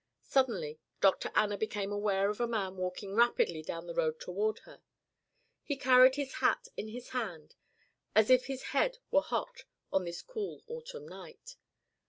Suddenly Dr. Anna became aware of a man walking rapidly down the road toward her. He carried his hat in his hand as if his head were hot on this cool autumn night.